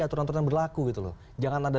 aturan aturan berlaku jangan ada